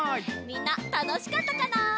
みんなたのしかったかな？